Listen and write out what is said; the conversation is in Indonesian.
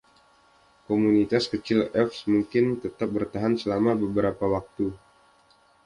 Komunitas kecil Elf mungkin tetap bertahan selama beberapa waktu.